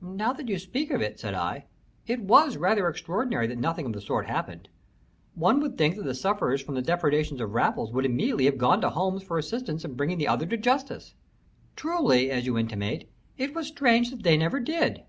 "Now that you speak of it," said I, "it was rather extraordinary that nothing of the sort happened. One would think that the sufferers from the depredations of Raffles would immediately have gone to Holmes for assistance in bringing the other to justice. Truly, as you intimate, it was strange that they never did."